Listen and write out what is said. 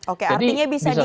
oke artinya bisa digabungkan